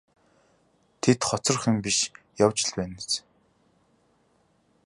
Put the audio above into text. Тэд хоцрох юм биш явж л байна биз.